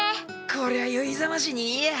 こりゃ酔いざましにいいや。